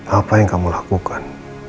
apa yang kamu lakukan